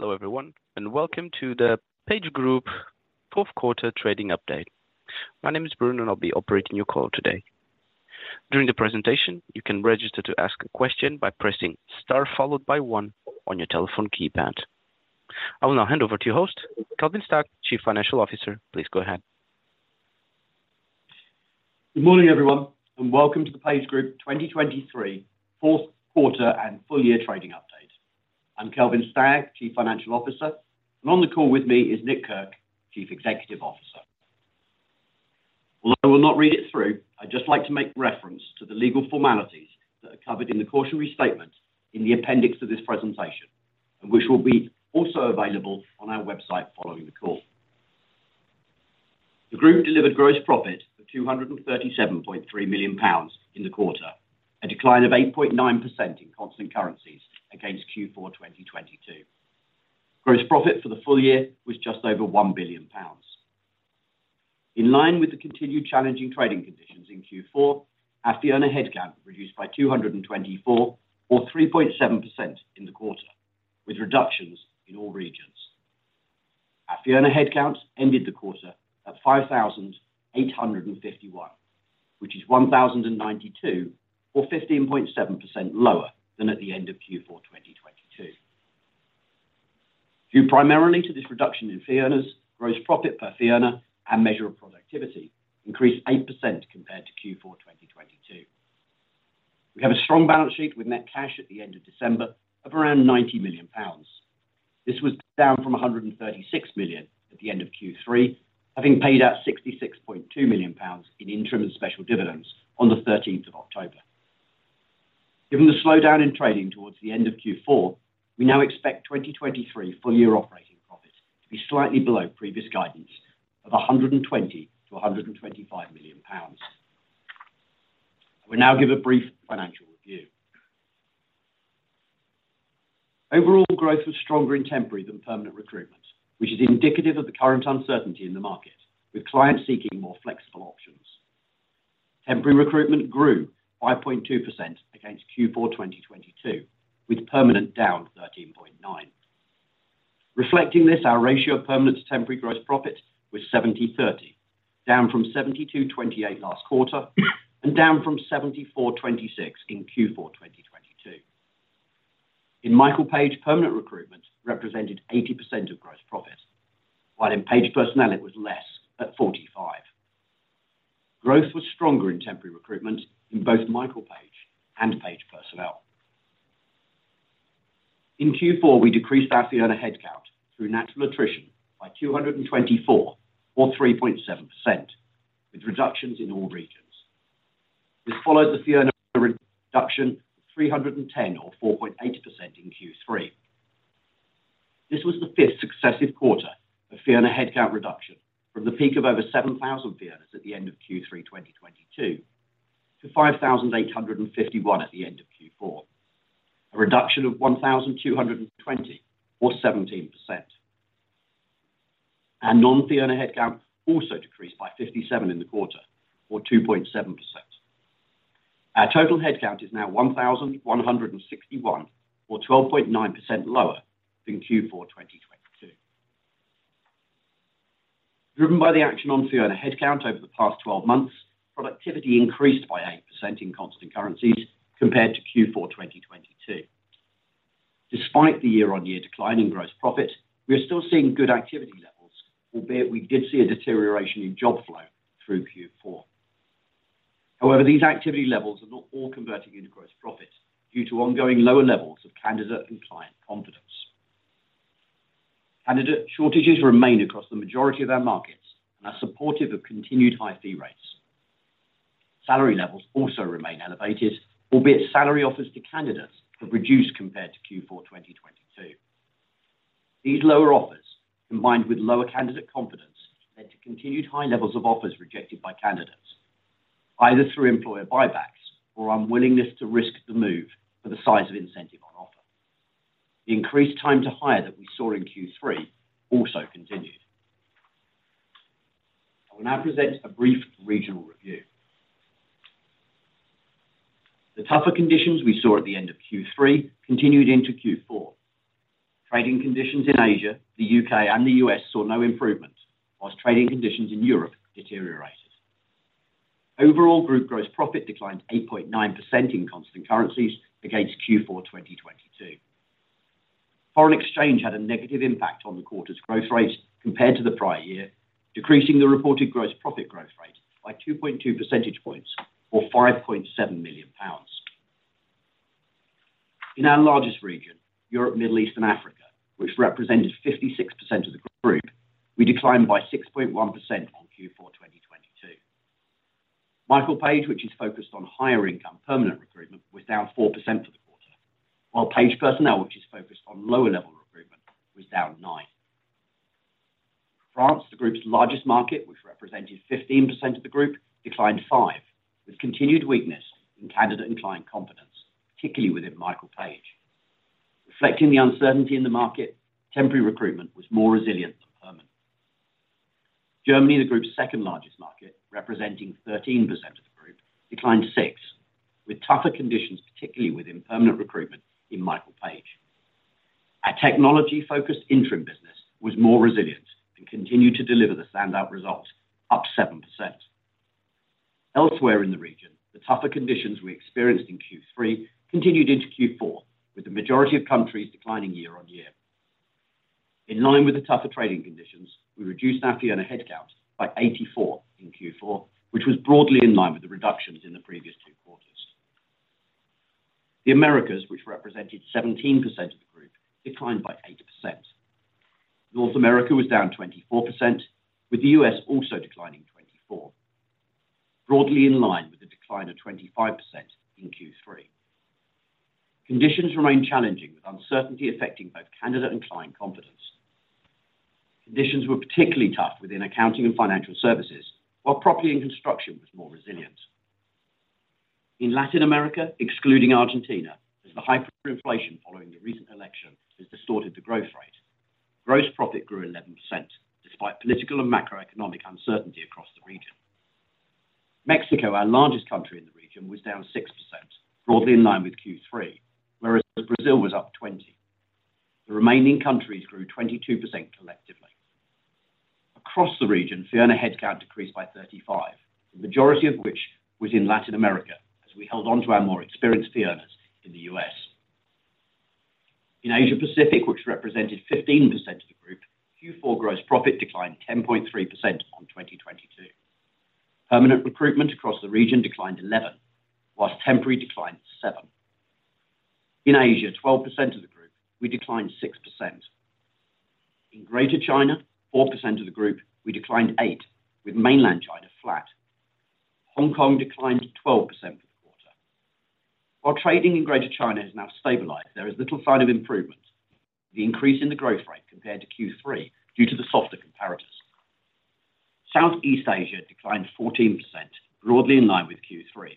Hello, everyone, and welcome to the PageGroup fourth quarter trading update. My name is Bruno, and I'll be operating your call today. During the presentation, you can register to ask a question by pressing Star, followed by One on your telephone keypad. I will now hand over to your host, Kelvin Stagg, Chief Financial Officer. Please go ahead. Good morning, everyone, and welcome to the PageGroup 2023 fourth quarter and full year trading update. I'm Kelvin Stagg, Chief Financial Officer, and on the call with me is Nick Kirk, Chief Executive Officer. Although I will not read it through, I'd just like to make reference to the legal formalities that are covered in the cautionary statement in the appendix of this presentation, and which will be also available on our website following the call. The group delivered gross profit of 237.3 million pounds in the quarter, a decline of 8.9% in constant currencies against Q4 2022. Gross profit for the full year was just over 1 billion pounds. In line with the continued challenging trading conditions in Q4, our fee earner headcount reduced by 224 or 3.7% in the quarter, with reductions in all regions. Our fee earner headcount ended the quarter at 5,851, which is 1,092, or 15.7% lower than at the end of Q4 2022. Due primarily to this reduction in fee earners, gross profit per fee earner and measure of productivity increased 8% compared to Q4 2022. We have a strong balance sheet with net cash at the end of December of around 90 million pounds. This was down from 136 million at the end of Q3, having paid out 66.2 million pounds in interim and special dividends on the thirteenth of October. Given the slowdown in trading towards the end of Q4, we now expect 2023 full year operating profits to be slightly below previous guidance of 120 million-125 million pounds. I will now give a brief financial review. Overall growth was stronger in temporary than permanent recruitment, which is indicative of the current uncertainty in the market, with clients seeking more flexible options. Temporary recruitment grew 5.2% against Q4 2022, with permanent down 13.9. Reflecting this, our ratio of permanent to temporary gross profit was 70/30, down from 72/28 last quarter and down from 74/26 in Q4 2022. In Michael Page, permanent recruitment represented 80% of gross profit, while in Page Personnel, it was less, at 45. Growth was stronger in temporary recruitment in both Michael Page and Page Personnel. In Q4, we decreased our fee earner headcount through natural attrition by 224 or 3.7%, with reductions in all regions. This followed the fee earner reduction of 310 or 4.8% in Q3. This was the fifth successive quarter of fee earner headcount reduction from the peak of over 7,000 fee earners at the end of Q3 2022 to 5,851 at the end of Q4, a reduction of 1,220 or 17%. Our non-fee earner headcount also decreased by 57 in the quarter, or 2.7%. Our total headcount is now 1,161, or 12.9% lower than Q4 2022. Driven by the action on fee earner headcount over the past twelve months, productivity increased by 8% in constant currencies compared to Q4 2022. Despite the year-over-year decline in gross profit, we are still seeing good activity levels, albeit we did see a deterioration in job flow through Q4. However, these activity levels are not all converting into gross profit due to ongoing lower levels of candidate and client confidence. Candidate shortages remain across the majority of our markets and are supportive of continued high fee rates. Salary levels also remain elevated, albeit salary offers to candidates have reduced compared to Q4 2022. These lower offers, combined with lower candidate confidence, led to continued high levels of offers rejected by candidates, either through employer buybacks or unwillingness to risk the move for the size of incentive on offer. The increased time to hire that we saw in Q3 also continued. I will now present a brief regional review. The tougher conditions we saw at the end of Q3 continued into Q4. Trading conditions in Asia, the U.K., and the U.S. saw no improvement, while trading conditions in Europe deteriorated. Overall, group gross profit declined 8.9% in constant currencies against Q4 2022. Foreign exchange had a negative impact on the quarter's growth rate compared to the prior year, decreasing the reported gross profit growth rate by 2.2 percentage points or 5.7 million pounds. In our largest region, Europe, Middle East, and Africa, which represented 56% of the group, we declined by 6.1% on Q4 2022. Michael Page, which is focused on higher income permanent recruitment, was down 4% for the quarter, while Page Personnel, which is focused on lower-level recruitment, was down 9%. France, the group's largest market, which represented 15% of the group, declined 5%, with continued weakness in candidate and client confidence, particularly within Michael Page. Reflecting the uncertainty in the market, temporary recruitment was more resilient. Germany, the group's second-largest market, representing 13% of the group, declined 6%, with tougher conditions, particularly within permanent recruitment in Michael Page. Our technology-focused interim business was more resilient and continued to deliver the standout result, up 7%. Elsewhere in the region, the tougher conditions we experienced in Q3 continued into Q4, with the majority of countries declining year-on-year. In line with the tougher trading conditions, we reduced our fee earner headcount by 84 in Q4, which was broadly in line with the reductions in the previous two quarters. The Americas, which represented 17% of the group, declined by 8%. North America was down 24%, with the U.S. also declining 24%, broadly in line with the decline of 25% in Q3. Conditions remain challenging, with uncertainty affecting both candidate and client confidence. Conditions were particularly tough within accounting and financial services, while property and construction was more resilient. In Latin America, excluding Argentina, as the hyperinflation following the recent election has distorted the growth rate, gross profit grew 11%, despite political and macroeconomic uncertainty across the region. Mexico, our largest country in the region, was down 6%, broadly in line with Q3, whereas Brazil was up 20%. The remaining countries grew 22% collectively. Across the region, fee earner headcount decreased by 35, the majority of which was in Latin America, as we held on to our more experienced fee earners in the U.S. In Asia Pacific, which represented 15% of the group, Q4 gross profit declined 10.3% on 2022. Permanent recruitment across the region declined 11%, while temporary declined 7%. In Asia, 12% of the group, we declined 6%. In Greater China, 4% of the group, we declined 8%, with Mainland China flat. Hong Kong declined 12% for the quarter. While trading in Greater China has now stabilized, there is little sign of improvement. The increase in the growth rate compared to Q3 due to the softer comparators. Southeast Asia declined 14%, broadly in line with Q3,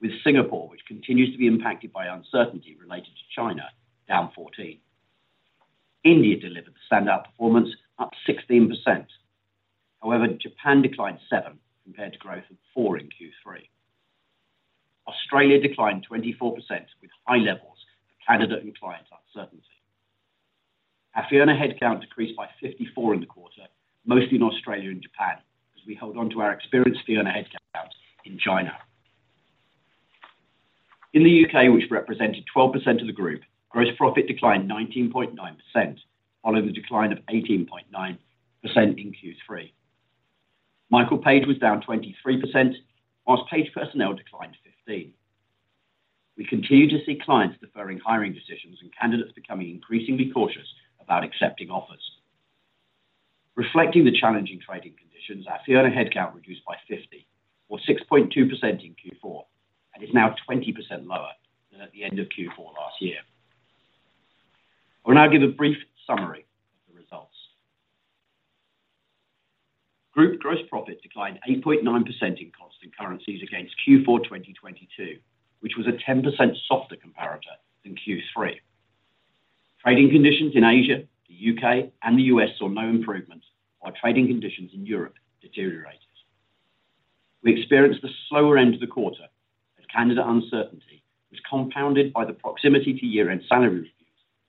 with Singapore, which continues to be impacted by uncertainty related to China, down 14%. India delivered the standout performance, up 16%. However, Japan declined 7% compared to growth of 4% in Q3. Australia declined 24%, with high levels of candidate and client uncertainty. Our fee earner headcount decreased by 54 in the quarter, mostly in Australia and Japan, as we held on to our experienced fee earner headcount in China. In the UK, which represented 12% of the group, gross profit declined 19.9%, following the decline of 18.9% in Q3. Michael Page was down 23%, while Page Personnel declined 15%. We continue to see clients deferring hiring decisions and candidates becoming increasingly cautious about accepting offers. Reflecting the challenging trading conditions, our fee earner headcount reduced by 50, or 6.2% in Q4 and is now 20% lower than at the end of Q4 last year. I will now give a brief summary of the results. Group gross profit declined 8.9% in constant currencies against Q4 2022, which was a 10% softer comparator than Q3. Trading conditions in Asia, the UK, and the US saw no improvement, while trading conditions in Europe deteriorated. We experienced the slower end of the quarter, as candidate uncertainty was compounded by the proximity to year-end salary reviews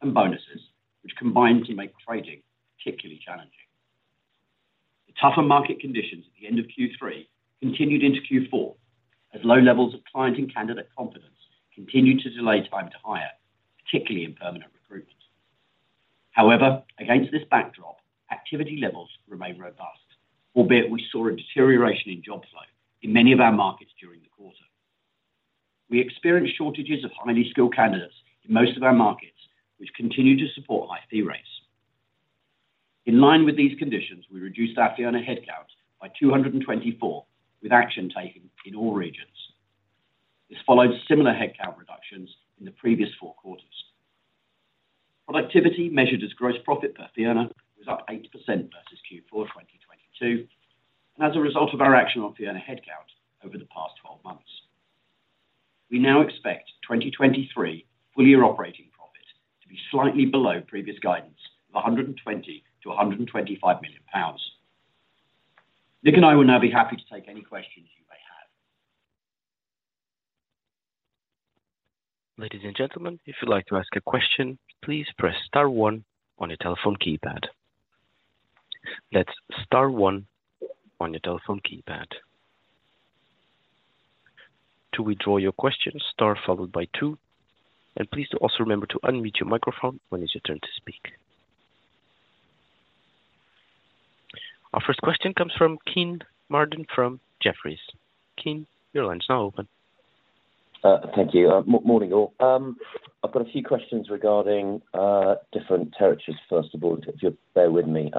and bonuses, which combined to make trading particularly challenging. The tougher market conditions at the end of Q3 continued into Q4, as low levels of client and candidate confidence continued to delay time to hire, particularly in permanent recruitment. However, against this backdrop, activity levels remained robust, albeit we saw a deterioration in job flow in many of our markets during the quarter. We experienced shortages of highly skilled candidates in most of our markets, which continued to support high fee rates. In line with these conditions, we reduced our fee earner headcount by 224, with action taken in all regions. This followed similar headcount reductions in the previous four quarters. Productivity, measured as gross profit per fee earner, was up 8% versus Q4 2022, and as a result of our action on fee earner headcount over the past 12 months. We now expect 2023 full-year operating profit to be slightly below previous guidance of 100 million-125 million pounds. Nick and I will now be happy to take any questions you may have. Ladies and gentlemen, if you'd like to ask a question, please press star one on your telephone keypad. That's star one on your telephone keypad. To withdraw your question, star followed by two, and please also remember to unmute your microphone when it's your turn to speak. Our first question comes from Kean Marden from Jefferies. Kean, your line is now open. Thank you. Morning, all. I've got a few questions regarding different territories, first of all, if you bear with me.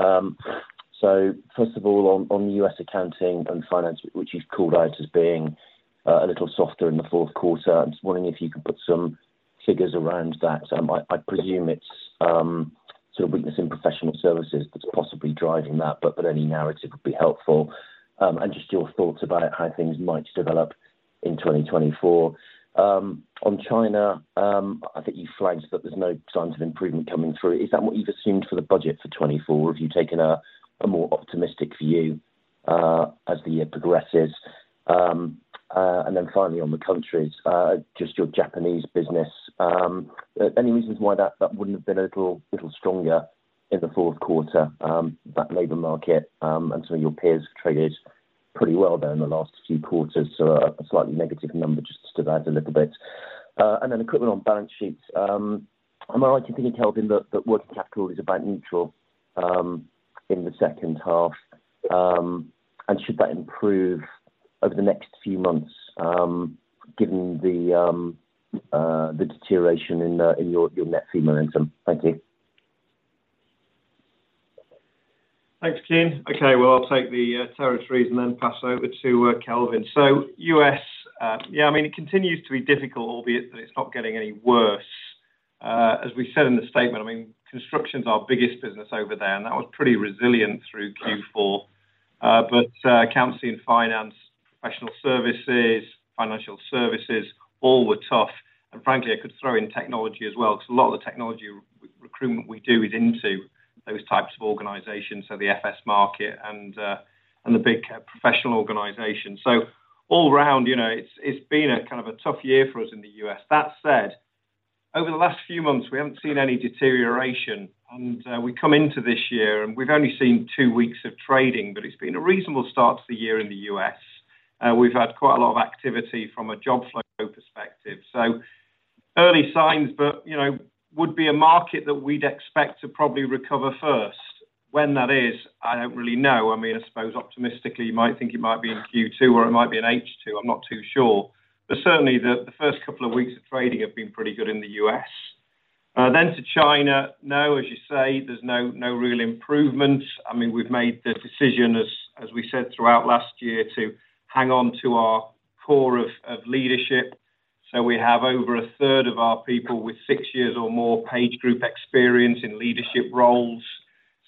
So first of all, on U.S. accounting and finance, which you've called out as being a little softer in the fourth quarter, I'm just wondering if you could put some figures around that. I presume it's sort of weakness in professional services that's possibly driving that, but any narrative would be helpful. And just your thoughts about how things might develop in 2024. On China, I think you flagged that there's no signs of improvement coming through. Is that what you've assumed for the budget for 2024, or have you taken a more optimistic view as the year progresses? And then finally, on the countries, just your Japanese business, any reasons why that wouldn't have been a little, little stronger in the fourth quarter, that labor market, and some of your peers have traded pretty well there in the last few quarters, so a slightly negative number just stood out a little bit. And then equity on balance sheets. Am I right in thinking, Kelvin, that working capital is about neutral in the second half? And should that improve over the next few months, given the deterioration in your net fee momentum? Thank you. Thanks, Kean. Okay, well, I'll take the territories and then pass over to Kelvin. So US, yeah, I mean, it continues to be difficult, albeit that it's not getting any worse. As we said in the statement, I mean, construction's our biggest business over there, and that was pretty resilient through Q4. But accounts and finance, professional services, financial services, all were tough. And frankly, I could throw in technology as well, because a lot of the technology recruitment we do is into those types of organizations, so the FS market and the big professional organizations. So all around, you know, it's been a kind of a tough year for us in the US. That said, over the last few months, we haven't seen any deterioration, and, we come into this year, and we've only seen two weeks of trading, but it's been a reasonable start to the year in the U.S. We've had quite a lot of activity from a job flow perspective. So early signs, but, you know, would be a market that we'd expect to probably recover first. When that is, I don't really know. I mean, I suppose optimistically, you might think it might be in Q2 or it might be in H2. I'm not too sure. But certainly the, the first couple of weeks of trading have been pretty good in the U.S. Then to China, now, as you say, there's no, no real improvement. I mean, we've made the decision, as we said throughout last year, to hang on to our core of leadership. So we have over a third of our people with six years or more PageGroup experience in leadership roles.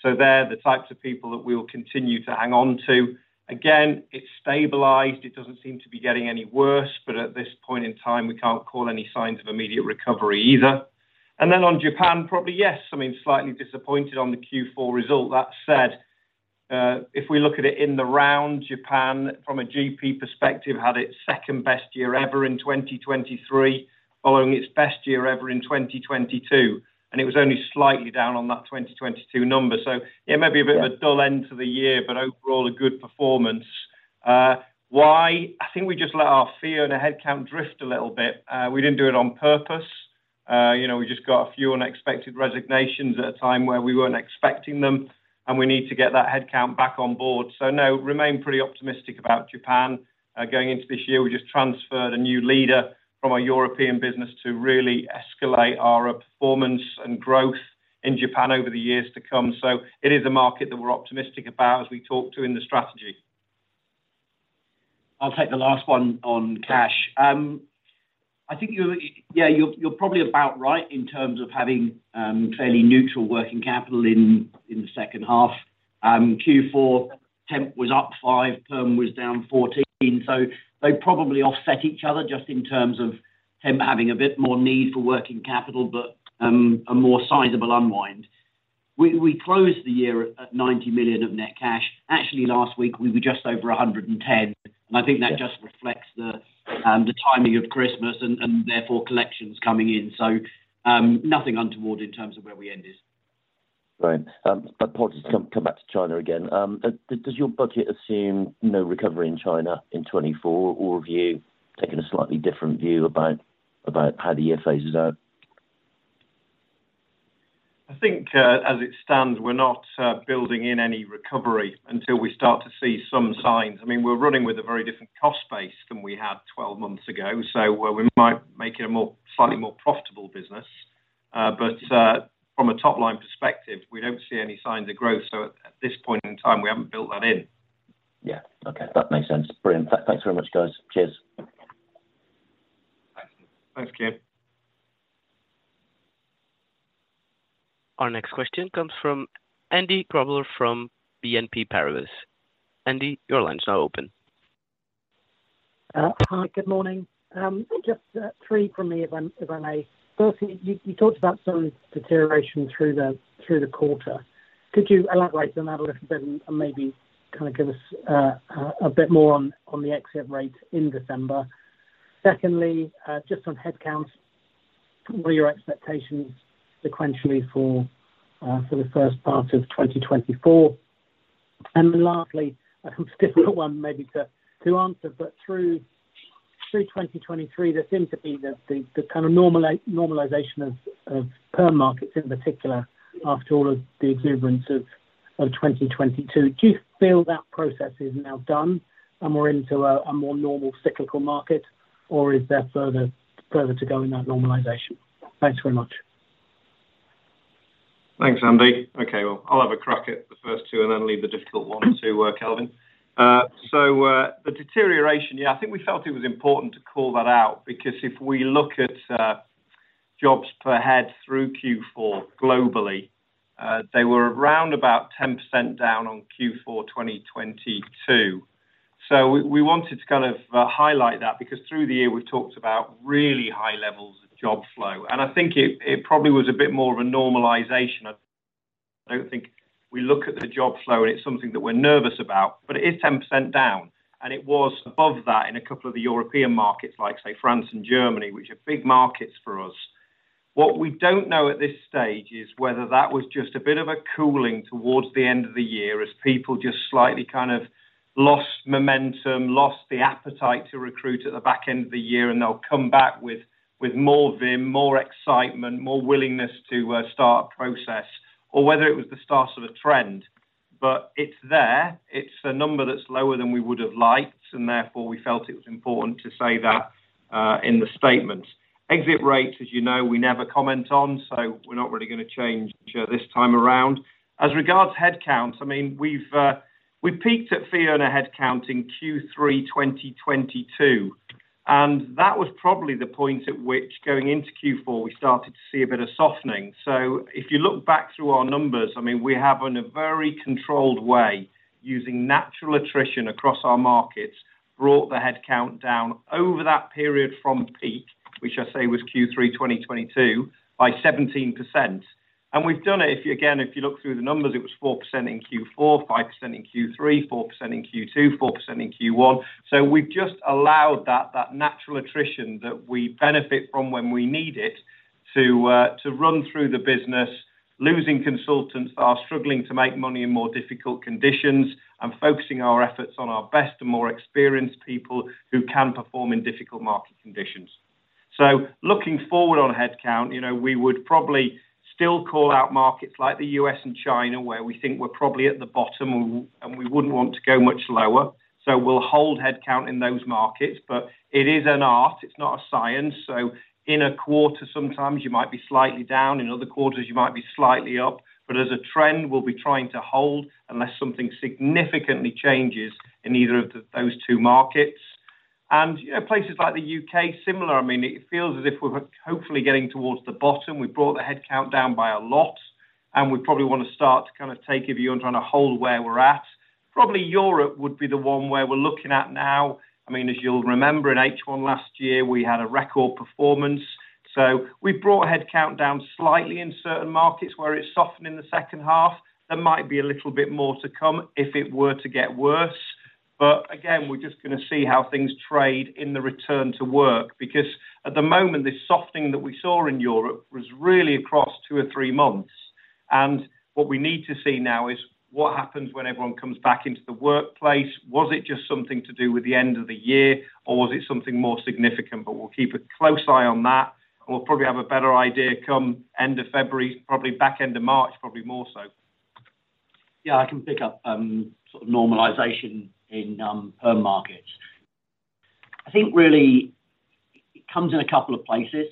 So they're the types of people that we will continue to hang on to. Again, it's stabilized. It doesn't seem to be getting any worse, but at this point in time, we can't call any signs of immediate recovery either. And then on Japan, probably, yes, I mean, slightly disappointed on the Q4 result. That said, if we look at it in the round, Japan, from a GP perspective, had its second best year ever in 2023, following its best year ever in 2022, and it was only slightly down on that 2022 number. So it may be a bit of a dull end to the year, but overall, a good performance. Why? I think we just let our fee earner headcount drift a little bit. We didn't do it on purpose. You know, we just got a few unexpected resignations at a time where we weren't expecting them, and we need to get that headcount back on board. So no, remain pretty optimistic about Japan. Going into this year, we just transferred a new leader from our European business to really escalate our performance and growth in Japan over the years to come. So it is a market that we're optimistic about as we talked to in the strategy. I'll take the last one on cash. I think you, yeah, you're, you're probably about right in terms of having fairly neutral working capital in the second half. Q4, temp was up five, perm was down 14, so they probably offset each other just in terms of temp having a bit more need for working capital, but a more sizable unwind. We closed the year at 90 million of net cash. Actually, last week, we were just over 110 million, and I think that just reflects the timing of Christmas and therefore collections coming in. So, nothing untoward in terms of where we ended. Great. But I'll, just come back to China again. Does your budget assume no recovery in China in 2024, or have you taken a slightly different view about how the year phases out? I think, as it stands, we're not building in any recovery until we start to see some signs. I mean, we're running with a very different cost base than we had 12 months ago, so we might make it a more, slightly more profitable business. But, from a top-line perspective, we don't see any signs of growth, so at this point in time, we haven't built that in. Yeah. Okay, that makes sense. Brilliant. Thanks very much, guys. Cheers. Thanks. Thanks, Kean. Our next question comes from Andy Grobler from BNP Paribas. Andy, your line is now open. Hi, good morning. Just three from me, if I may. First, you talked about some deterioration through the quarter. Could you elaborate on that a little bit and maybe kind of give us a bit more on the exit rate in December? Second, just on headcount, what are your expectations sequentially for the first part of 2024? Lastly, a difficult one maybe to answer, but through 2023, there seems to be the kind of normalization of perm markets, in particular, after all of the exuberance of 2022. Do you feel that process is now done and we're into a more normal cyclical market, or is there further to go in that normalization? Thanks very much. Thanks, Andy. Okay, well, I'll have a crack at the first two and then leave the difficult one to Kelvin. So, the deterioration, yeah, I think we felt it was important to call that out because if we look at jobs per head through Q4 globally, they were around about 10% down on Q4 2022. So we wanted to kind of highlight that, because through the year, we've talked about really high levels of job flow, and I think it probably was a bit more of a normalization. I don't think we look at the job flow, and it's something that we're nervous about, but it is 10% down, and it was above that in a couple of the European markets, like, say, France and Germany, which are big markets for us. What we don't know at this stage is whether that was just a bit of a cooling towards the end of the year as people just slightly kind of lost momentum, lost the appetite to recruit at the back end of the year, and they'll come back with more vim, more excitement, more willingness to start a process, or whether it was the start of a trend. But it's there. It's a number that's lower than we would have liked, and therefore, we felt it was important to say that in the statement. Exit rates, as you know, we never comment on, so we're not really going to change this time around. As regards headcounts, I mean, we peaked at fee earner headcount in Q3 2022, and that was probably the point at which, going into Q4, we started to see a bit of softening. So if you look back through our numbers, I mean, we have, in a very controlled way, using natural attrition across our markets, brought the headcount down over that period from peak, which I say was Q3 2022, by 17%. And we've done it, if you again, if you look through the numbers, it was 4% in Q4, 5% in Q3, 4% in Q2, 4% in Q1. So we've just allowed that, that natural attrition that we benefit from when we need it to, to run through the business, losing consultants that are struggling to make money in more difficult conditions and focusing our efforts on our best and more experienced people who can perform in difficult market conditions. So looking forward on headcount, you know, we would probably still call out markets like the U.S. and China, where we think we're probably at the bottom, and we wouldn't want to go much lower. So we'll hold headcount in those markets, but it is an art, it's not a science, so in a quarter, sometimes you might be slightly down, in other quarters, you might be slightly up. But as a trend, we'll be trying to hold unless something significantly changes in either of those two markets. You know, places like the UK, similar, I mean, it feels as if we're hopefully getting towards the bottom. We've brought the headcount down by a lot, and we probably want to start to kind of take a view on trying to hold where we're at. Probably Europe would be the one where we're looking at now. I mean, as you'll remember, in H1 last year, we had a record performance, so we've brought headcount down slightly in certain markets where it softened in the second half. There might be a little bit more to come if it were to get worse, but again, we're just going to see how things trade in the return to work, because at the moment, this softening that we saw in Europe was really across two or three months. What we need to see now is what happens when everyone comes back into the workplace. Was it just something to do with the end of the year, or was it something more significant? We'll keep a close eye on that, and we'll probably have a better idea come end of February, probably back end of March, probably more so. Yeah, I can pick up sort of normalization in perm markets. I think really it comes in a couple of places.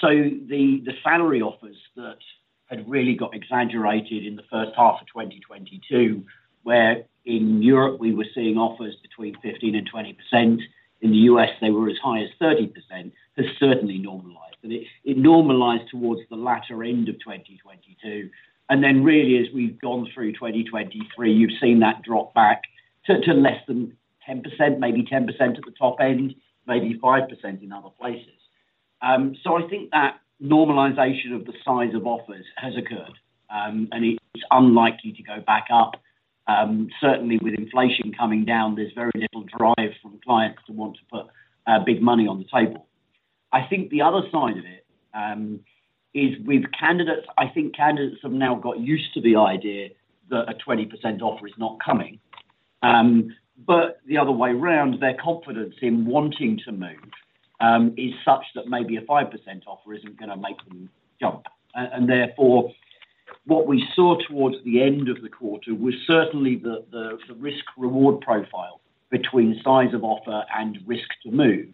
So the salary offers that had really got exaggerated in the first half of 2022, where in Europe, we were seeing offers between 15% and 20%, in the U.S., they were as high as 30%, has certainly normalized. It normalized towards the latter end of 2022, and then really, as we've gone through 2023, you've seen that drop back to less than 10%, maybe 10% at the top end, maybe 5% in other places. So I think that normalization of the size of offers has occurred, and it's unlikely to go back up. Certainly with inflation coming down, there's very little drive from clients to want to put big money on the table. I think the other side of it is with candidates. I think candidates have now got used to the idea that a 20% offer is not coming. But the other way around, their confidence in wanting to move is such that maybe a 5% offer isn't going to make them jump. And therefore, what we saw towards the end of the quarter was certainly the risk-reward profile between size of offer and risk to move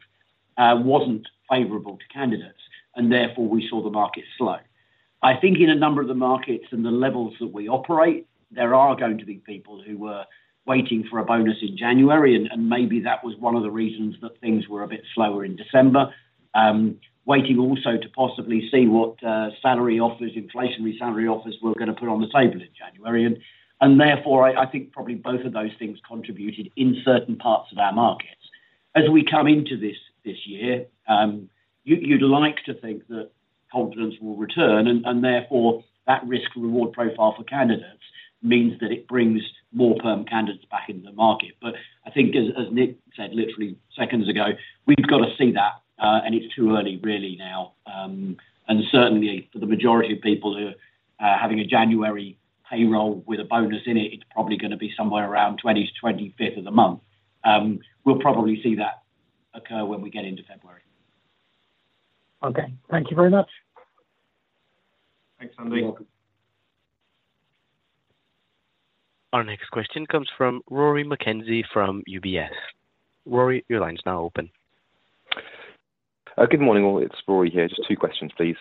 wasn't favorable to candidates, and therefore, we saw the market slow. I think in a number of the markets and the levels that we operate, there are going to be people who were waiting for a bonus in January, and maybe that was one of the reasons that things were a bit slower in December. Waiting also to possibly see what salary offers, inflationary salary offers were going to put on the table in January, and therefore, I think probably both of those things contributed in certain parts of our markets. As we come into this year, you'd like to think that confidence will return, and therefore, that risk-reward profile for candidates means that it brings more perm candidates back into the market. But I think as Nick said, literally seconds ago, we've got to see that, and it's too early really now. And certainly for the majority of people who are having a January payroll with a bonus in it, it's probably going to be somewhere around 20th, 25th of the month. We'll probably see that occur when we get into February. Okay. Thank you very much. Thanks, Andy. You're welcome. Our next question comes from Rory McKenzie, from UBS. Rory, your line is now open. Good morning, all. It's Rory here. Just two questions, please.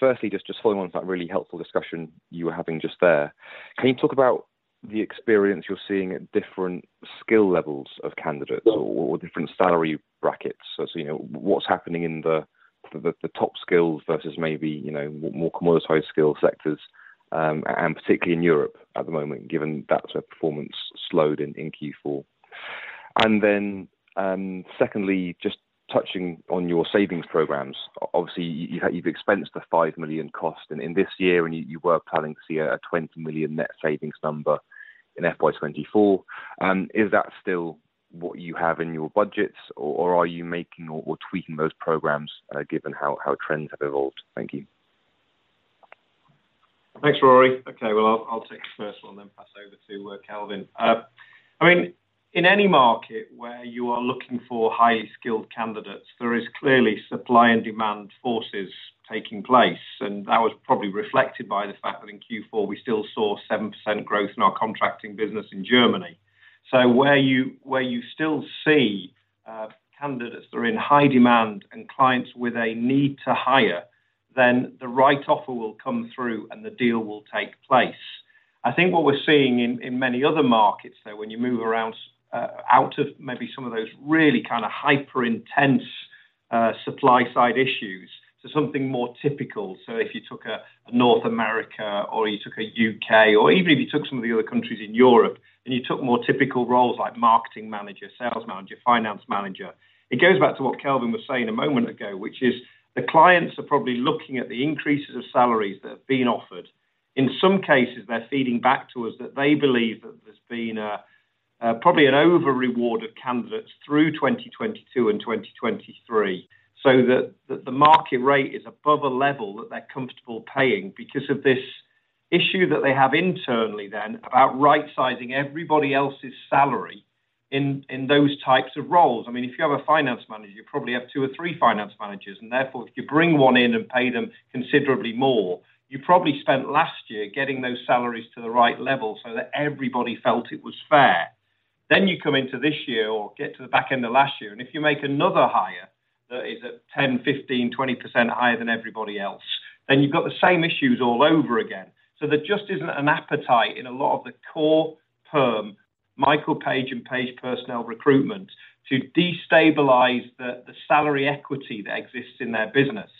Firstly, just following on from that really helpful discussion you were having just there, can you talk about the experience you're seeing at different skill levels of candidates or, or different salary brackets. So, you know, what's happening in the top skills versus maybe, you know, more commoditized skill sectors, and particularly in Europe at the moment, given that performance slowed in Q4. And then, secondly, just touching on your savings programs. Obviously, you, you've expensed the 5 million cost and in this year, and you, you were planning to see a 20 million net savings number in FY 2024. Is that still what you have in your budgets, or, or are you making or tweaking those programs, given how trends have evolved? Thank you. Thanks, Rory. Okay, well, I'll take the first one, then pass over to Kelvin. I mean, in any market where you are looking for highly skilled candidates, there is clearly supply and demand forces taking place, and that was probably reflected by the fact that in Q4, we still saw 7% growth in our contracting business in Germany. So where you still see candidates that are in high demand and clients with a need to hire, then the right offer will come through, and the deal will take place. I think what we're seeing in many other markets, though, when you move around out of maybe some of those really kind of hyper-intense supply-side issues to something more typical. So if you took a North America or you took a U.K., or even if you took some of the other countries in Europe, and you took more typical roles like marketing manager, sales manager, finance manager, it goes back to what Kelvin was saying a moment ago, which is the clients are probably looking at the increases of salaries that have been offered. In some cases, they're feeding back to us that they believe that there's been a probably an overreward of candidates through 2022 and 2023, so that the market rate is above a level that they're comfortable paying because of this issue that they have internally then, about right-sizing everybody else's salary in those types of roles. I mean, if you have a finance manager, you probably have two or three finance managers, and therefore, if you bring one in and pay them considerably more, you probably spent last year getting those salaries to the right level so that everybody felt it was fair. Then, you come into this year or get to the back end of last year, and if you make another hire that is at 10, 15, 20% higher than everybody else, then you've got the same issues all over again. So there just isn't an appetite in a lot of the core perm, Michael Page and Page Personnel recruitment, to destabilize the salary equity that exists in their business.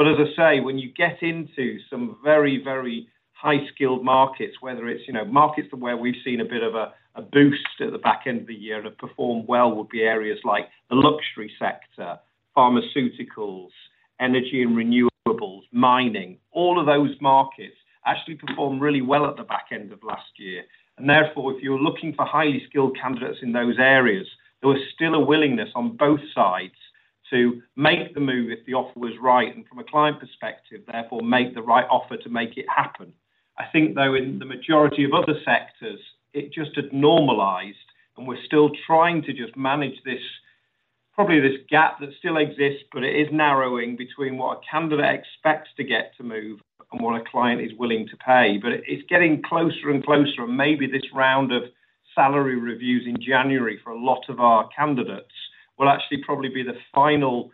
As I say, when you get into some very, very high-skilled markets, whether it's, you know, markets where we've seen a bit of a boost at the back end of the year and have performed well, would be areas like the luxury sector, pharmaceuticals, energy and renewables, mining. All of those markets actually performed really well at the back end of last year. Therefore, if you're looking for highly skilled candidates in those areas, there was still a willingness on both sides to make the move if the offer was right, and from a client perspective, therefore, make the right offer to make it happen. I think, though, in the majority of other sectors, it just had normalized, and we're still trying to just manage this, probably this gap that still exists, but it is narrowing between what a candidate expects to get to move and what a client is willing to pay. But it's getting closer and closer, and maybe this round of salary reviews in January for a lot of our candidates will actually probably be the final,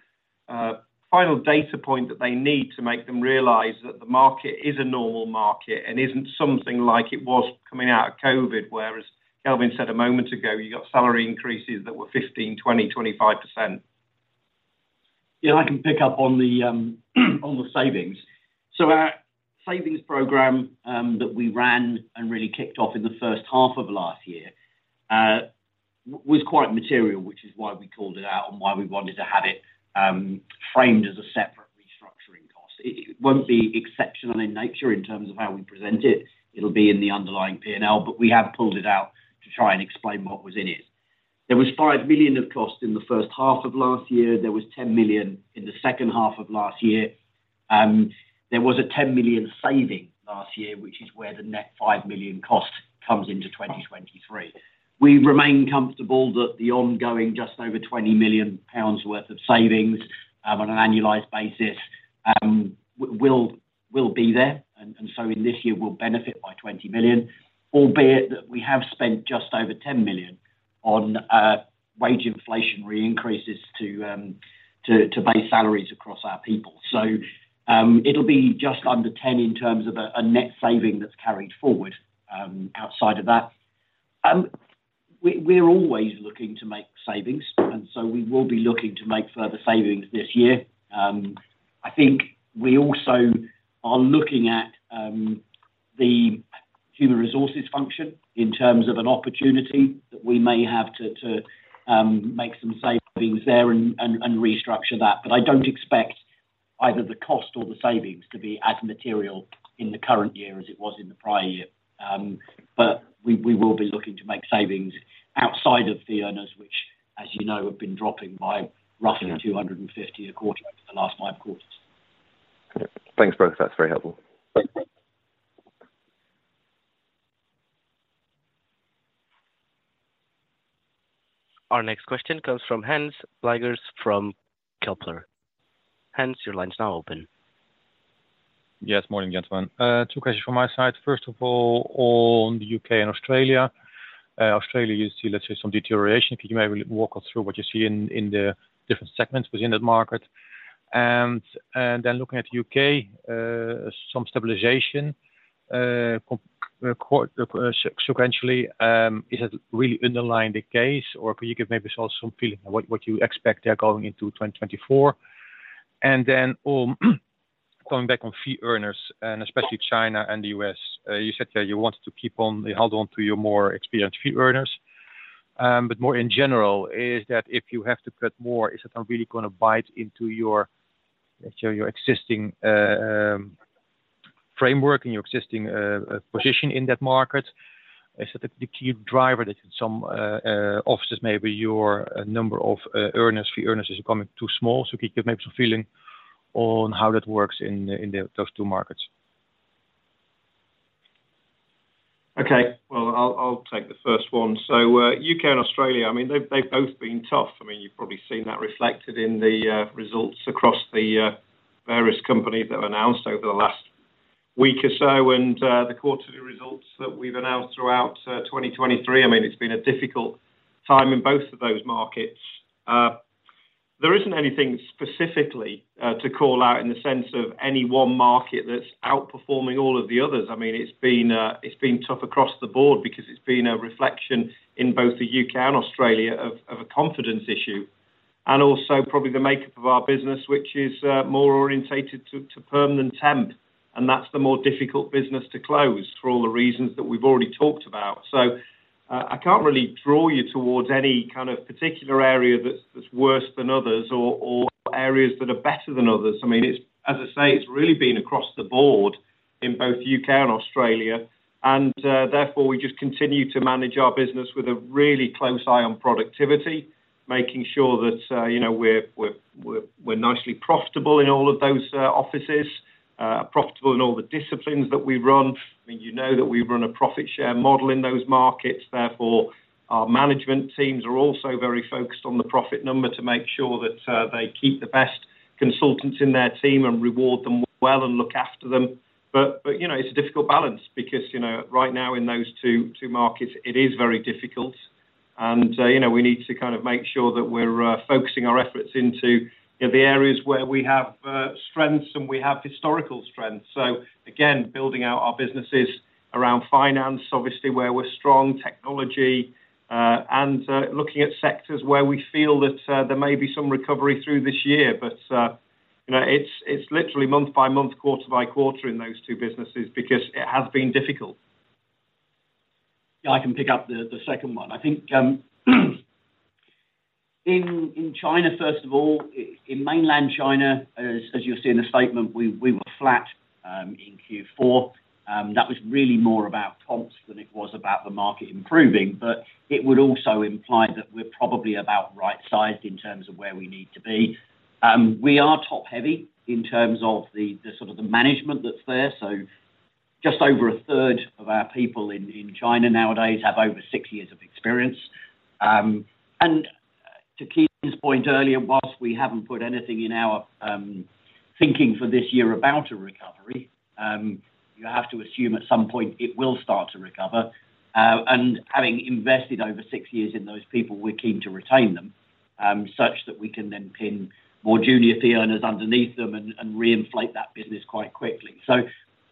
final data point that they need to make them realize that the market is a normal market and isn't something like it was coming out of COVID, whereas Kelvin said a moment ago, you got salary increases that were 15, 20, 25%. Yeah, I can pick up on the, on the savings. So our savings program, that we ran and really kicked off in the first half of last year, was quite material, which is why we called it out and why we wanted to have it, framed as a separate restructuring cost. It, it won't be exceptional in nature in terms of how we present it. It'll be in the underlying P&L, but we have pulled it out to try and explain what was in it. There was 5 million of cost in the first half of last year. There was 10 million in the second half of last year. There was a 10 million saving last year, which is where the net 5 million cost comes into 2023. We remain comfortable that the ongoing, just over 20 million pounds worth of savings, on an annualized basis, will be there, and so in this year, we'll benefit by 20 million, albeit that we have spent just over 10 million on wage inflationary increases to base salaries across our people. So, it'll be just under 10 million in terms of a net saving that's carried forward, outside of that. We're always looking to make savings, and so we will be looking to make further savings this year. I think we also are looking at the human resources function in terms of an opportunity that we may have to make some savings there and restructure that. But I don't expect either the cost or the savings to be as material in the current year as it was in the prior year. But we will be looking to make savings outside of the earners, which, as you know, have been dropping by roughly 250 a quarter for the last five quarters. Thanks, both. That's very helpful. Our next question comes from Hans Pluijgers from Kepler Cheuvreux. Hans, your line is now open. Yes, morning, gentlemen. Two questions from my side. First of all, on the UK and Australia. Australia, you see, let's say, some deterioration. Could you maybe walk us through what you see in the different segments within that market? Then looking at UK, some stabilization sequentially, is it really the case, or could you give maybe us also some feeling on what you expect there going into 2024? Then coming back on fee earners, and especially China and the US. You said that you wanted to keep on, hold on to your more experienced fee earners. But more in general, is that if you have to cut more, is that really going to bite into your, let's say, your existing framework and your existing position in that market? Is that the key driver that some offices, maybe your number of earners, fee earners is becoming too small? So could you give maybe some feeling on how that works in those two markets? Okay, well, I'll take the first one. So, U.K. and Australia, I mean, they've both been tough. I mean, you've probably seen that reflected in the results across the various companies that have announced over the last week or so, and the quarterly results that we've announced throughout 2023. I mean, it's been a difficult time in both of those markets. There isn't anything specifically to call out in the sense of any one market that's outperforming all of the others. I mean, it's been, it's been tough across the board because it's been a reflection in both the UK and Australia of, of a confidence issue, and also probably the makeup of our business, which is, more oriented to, to perm than temp, and that's the more difficult business to close for all the reasons that we've already talked about. So, I can't really draw you towards any kind of particular area that's, that's worse than others or, or areas that are better than others. I mean, as I say, it's really been across the board in both UK and Australia, and, therefore, we just continue to manage our business with a really close eye on productivity, making sure that, you know, we're, we're, we're, we're nicely profitable in all of those, offices, profitable in all the disciplines that we run. I mean, you know that we run a profit share model in those markets. Therefore, our management teams are also very focused on the profit number to make sure that they keep the best consultants in their team and reward them well and look after them. But you know, it's a difficult balance because, you know, right now in those two, two markets, it is very difficult. And you know, we need to kind of make sure that we're focusing our efforts into, you know, the areas where we have strengths and we have historical strength. So again, building out our businesses around finance, obviously, where we're strong, technology, and looking at sectors where we feel that there may be some recovery through this year. But, you know, it's literally month by month, quarter by quarter in those two businesses because it has been difficult. Yeah, I can pick up the second one. I think, in China, first of all, in mainland China, as you'll see in the statement, we were flat in Q4. That was really more about comps than it was about the market improving, but it would also imply that we're probably about right-sized in terms of where we need to be. We are top-heavy in terms of the sort of management that's there. So just over a third of our people in China nowadays have over six years of experience. And to Kean's point earlier, while we haven't put anything in our thinking for this year about a recovery, you have to assume at some point it will start to recover. And having invested over 6 years in those people, we're keen to retain them, such that we can then pin more junior fee earners underneath them and reinflate that business quite quickly. So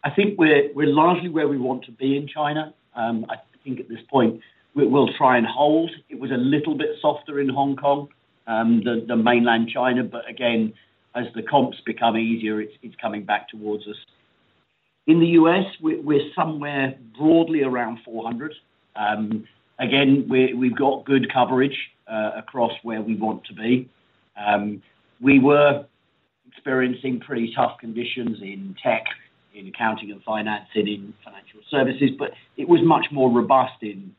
I think we're largely where we want to be in China. I think at this point, we'll try and hold. It was a little bit softer in Hong Kong than the mainland China, but again, as the comps become easier, it's coming back towards us. In the U.S., we're somewhere broadly around 400. Again, we've got good coverage across where we want to be. We were experiencing pretty tough conditions in tech, in accounting and finance, and in financial services, but it was much more robust in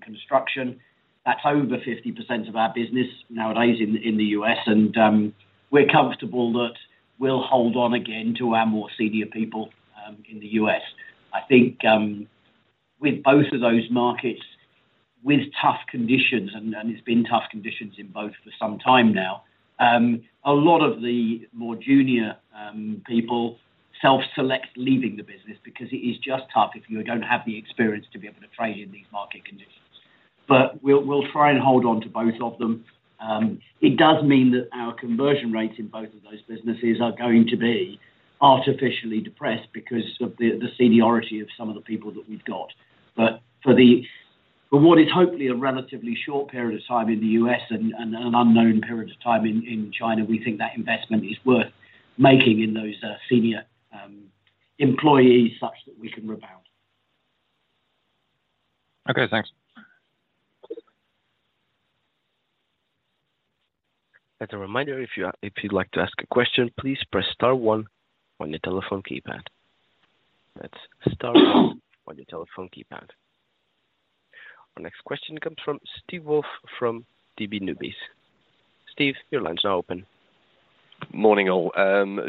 construction. That's over 50% of our business nowadays in the U.S., and we're comfortable that we'll hold on again to our more senior people in the U.S. I think with both of those markets, with tough conditions, and it's been tough conditions in both for some time now, a lot of the more junior people self-select leaving the business because it is just tough if you don't have the experience to be able to trade in these market conditions. But we'll try and hold on to both of them. It does mean that our conversion rates in both of those businesses are going to be artificially depressed because of the seniority of some of the people that we've got. But for what is hopefully a relatively short period of time in the U.S. and an unknown period of time in China, we think that investment is worth making in those senior employees, such that we can rebound. Okay, thanks. As a reminder, if you'd like to ask a question, please press star one on your telephone keypad. That's star one on your telephone keypad. Our next question comes from Steve Woolf from Deutsche Bank. Steve, your line's now open. Morning, all.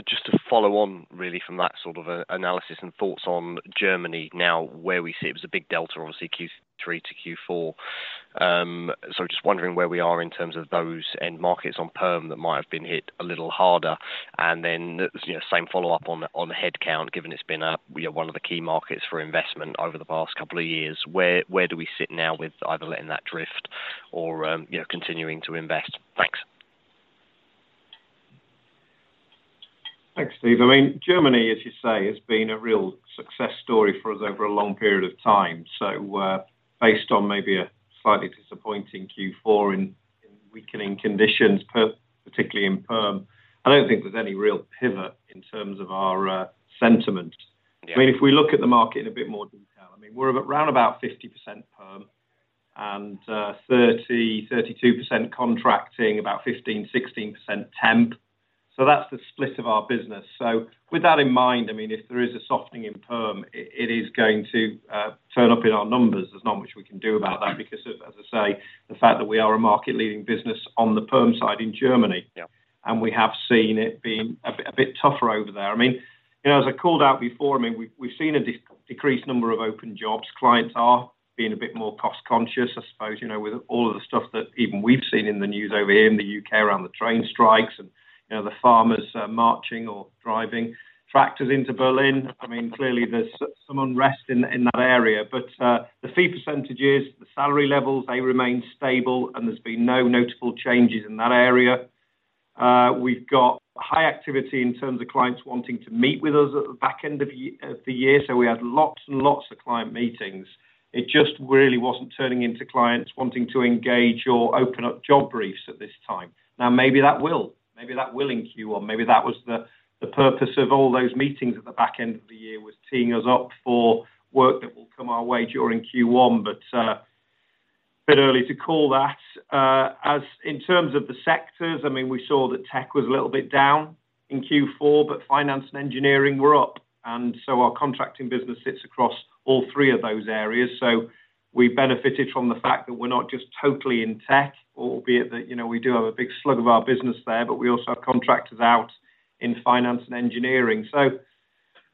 Just to follow on, really, from that sort of analysis and thoughts on Germany now, where we see it was a big delta, obviously, Q3 to Q4.... so just wondering where we are in terms of those end markets on perm that might have been hit a little harder, and then, you know, same follow-up on the headcount, given it's been, you know, one of the key markets for investment over the past couple of years. Where do we sit now with either letting that drift or, you know, continuing to invest? Thanks. Thanks, Steve. I mean, Germany, as you say, has been a real success story for us over a long period of time. So, based on maybe a slightly disappointing Q4 in weakening conditions, particularly in perm, I don't think there's any real pivot in terms of our sentiment. Yeah. I mean, if we look at the market in a bit more detail, I mean, we're at around about 50% perm and 30-32% contracting, about 15-16% temp. So that's the split of our business. So with that in mind, I mean, if there is a softening in perm, it, it is going to turn up in our numbers. There's not much we can do about that because of, as I say, the fact that we are a market-leading business on the perm side in Germany. Yeah. We have seen it being a bit tougher over there. I mean, you know, as I called out before, I mean, we've seen a decreased number of open jobs. Clients are being a bit more cost conscious, I suppose, you know, with all of the stuff that even we've seen in the news over here in the UK, around the train strikes and, you know, the farmers marching or driving tractors into Berlin. I mean, clearly, there's some unrest in that area, but the fee percentages, the salary levels, they remain stable, and there's been no notable changes in that area. We've got high activity in terms of clients wanting to meet with us at the back end of the year, so we had lots and lots of client meetings. It just really wasn't turning into clients wanting to engage or open up job briefs at this time. Now, maybe that will. Maybe that will in Q1. Maybe that was the purpose of all those meetings at the back end of the year, was teeing us up for work that will come our way during Q1, but a bit early to call that. As in terms of the sectors, I mean, we saw that tech was a little bit down in Q4, but finance and engineering were up, and so our contracting business sits across all three of those areas. So we benefited from the fact that we're not just totally in tech, albeit that, you know, we do have a big slug of our business there, but we also have contractors out in finance and engineering. So,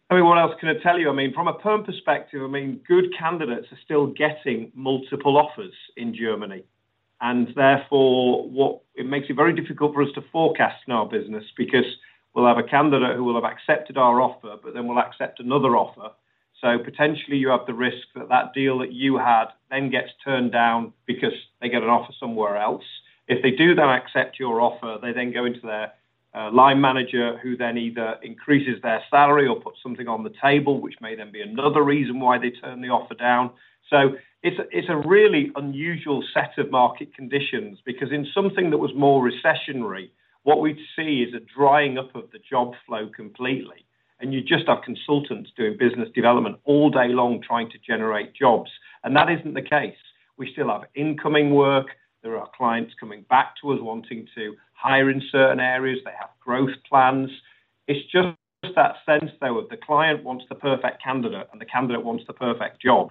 I mean, what else can I tell you? I mean, from a perm perspective, I mean, good candidates are still getting multiple offers in Germany, and therefore, it makes it very difficult for us to forecast in our business because we'll have a candidate who will have accepted our offer, but then will accept another offer. So potentially you have the risk that that deal that you had then gets turned down because they get an offer somewhere else. If they do then accept your offer, they then go into their line manager, who then either increases their salary or puts something on the table, which may then be another reason why they turned the offer down. So it's a really unusual set of market conditions, because in something that was more recessionary, what we'd see is a drying up of the job flow completely, and you just have consultants doing business development all day long, trying to generate jobs. And that isn't the case. We still have incoming work. There are clients coming back to us wanting to hire in certain areas. They have growth plans. It's just that sense, though, of the client wants the perfect candidate, and the candidate wants the perfect job.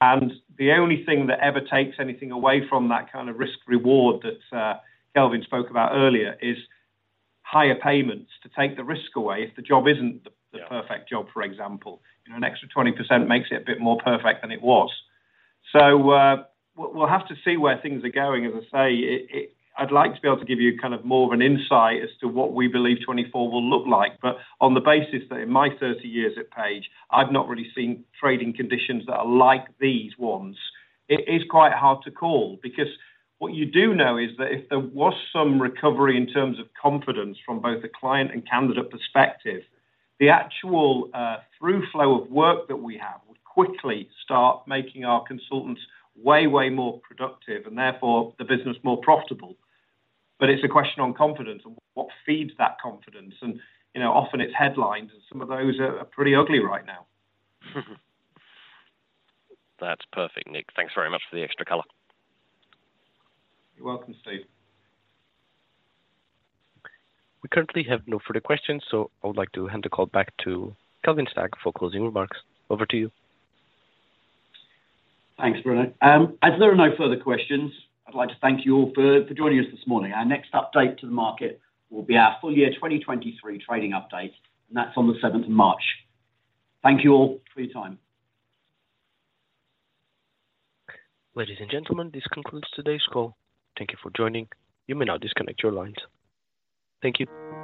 And the only thing that ever takes anything away from that kind of risk reward that Kelvin spoke about earlier is higher payments to take the risk away if the job isn't the- Yeah... perfect job, for example. You know, an extra 20% makes it a bit more perfect than it was. So, we'll, we'll have to see where things are going. As I say, it... I'd like to be able to give you kind of more of an insight as to what we believe 2024 will look like, but on the basis that in my 30 years at Page, I've not really seen trading conditions that are like these ones. It is quite hard to call because what you do know is that if there was some recovery in terms of confidence from both the client and candidate perspective, the actual, throughflow of work that we have would quickly start making our consultants way, way more productive and therefore the business more profitable. But it's a question on confidence and what feeds that confidence. You know, often it's headlines, and some of those are pretty ugly right now. That's perfect, Nick. Thanks very much for the extra color. You're welcome, Steve. We currently have no further questions, so I would like to hand the call back to Kelvin Stagg for closing remarks. Over to you. Thanks, Bruno. As there are no further questions, I'd like to thank you all for joining us this morning. Our next update to the market will be our full year 2023 trading update, and that's on the seventh of March. Thank you all for your time. Ladies and gentlemen, this concludes today's call. Thank you for joining. You may now disconnect your lines. Thank you.